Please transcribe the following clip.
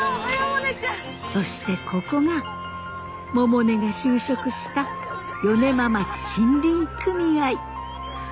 そしてここが百音が就職した米麻町森林組合。